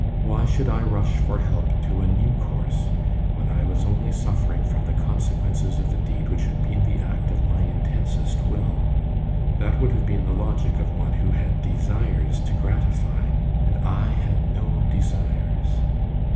Why should I rush for help to a new course, when I was only suffering from the consequences of a deed which had been the act of my intensest will? That would have been the logic of one who had desires to gratify, and I had no desires.